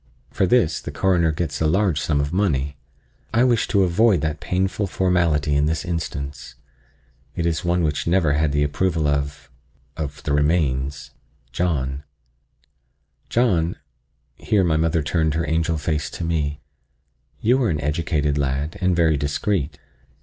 For this the Coroner gets a large sum of money. I wish to avoid that painful formality in this instance; it is one which never had the approval of—of the remains. John"—here my mother turned her angel face to me "you are an educated lad, and very discreet.